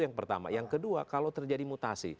yang pertama yang kedua kalau terjadi mutasi